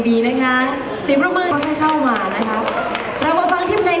จะมาฟังที่แบรนด์ซ้ายฉาร่าวสีซวยลำก่อนละกัน